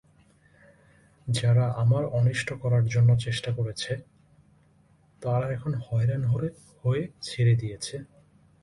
যারা আমার অনিষ্ট করবার জন্য চেষ্টা করেছে, তারা এখন হয়রান হয়ে ছেড়ে দিয়েছে।